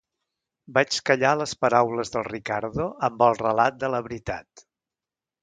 Vaig callar les paraules del Riccardo amb el relat de la veritat.